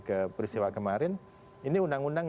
ke peristiwa kemarin ini undang undang